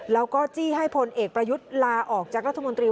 แล้วก็จี้ให้พลเอกประยุทธ์ลาออกจากรัฐมนตรี